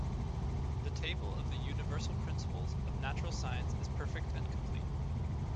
The table of the Universal Principles of Natural Science is perfect and complete.